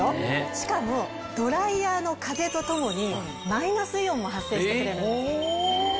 しかもドライヤーの風とともにマイナスイオンも発生してくれる。